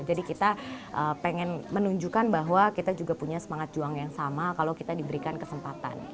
kita pengen menunjukkan bahwa kita juga punya semangat juang yang sama kalau kita diberikan kesempatan